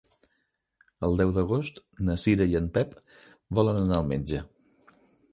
El deu d'agost na Cira i en Pep volen anar al metge.